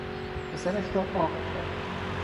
پسرش را عاق کرد.